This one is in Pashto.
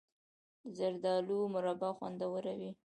د زردالو مربا خوندوره وي.